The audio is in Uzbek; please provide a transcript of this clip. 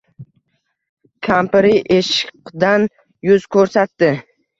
Kampiri eshiqdan yuz ko‘rsatdi.